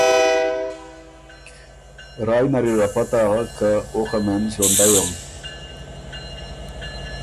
رایٛ نر اِر ا پته اغک که او خه مېن ݫوندئ م۔